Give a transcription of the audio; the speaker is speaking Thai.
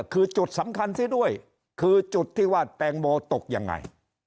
คือจุดสำคัญซะด้วยคือจุดที่ว่าแตงโมตกยังไง